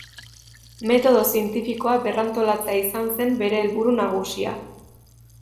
Metodo zientifikoa berrantolatzea izan zen bere helburu nagusia.